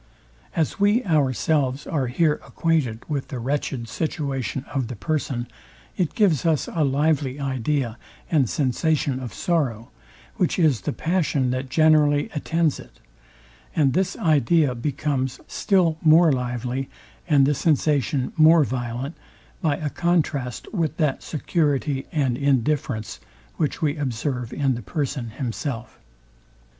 As we ourselves are here acquainted with the wretched situation of the person, it gives us a lively idea and sensation of sorrow, which is the passion that generally attends it; and this idea becomes still more lively, and the sensation more violent by a contrast with that security and indifference, which we observe in the person himself.